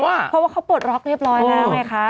เพราะว่าเขาปลดล็อคเรียบร้อยนะครับค่ะ